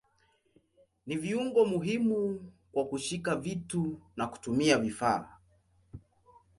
Ni viungo muhimu kwa kushika vitu na kutumia vifaa.